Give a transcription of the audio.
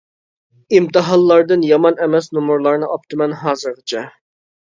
ئىمتىھانلاردىن يامان ئەمەس نومۇرلارنى ئاپتىمەن ھازىرغىچە.